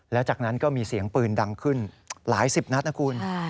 แล้วจากนั้นก็มีเสียงปืนดังขึ้นหลายสิบนัดนะคุณ